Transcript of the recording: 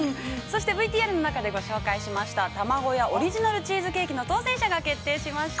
ＶＴＲ中で紹介しました「ＴＡＭＡＧＯＹＡオリジナルチーズケーキ」の当せん者が決定いたしました！